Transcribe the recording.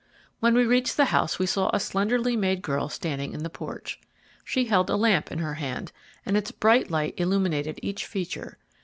When we reached the house we saw a slenderly made girl standing in the porch. She held a lamp in her hand, and its bright light illuminated each feature.